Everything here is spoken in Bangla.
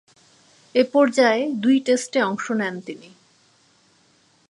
এ পর্যায়ে দুই টেস্টে অংশ নেন তিনি।